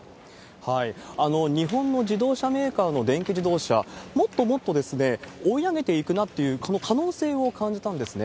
日本の自動車メーカーの電気自動車、もっともっと追い上げていくなっていう可能性を感じたんですね。